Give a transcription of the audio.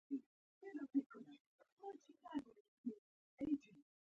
د سیاسي مرکزیت او پېچلې ټولنې په جوړولو کې ګټه پورته کړي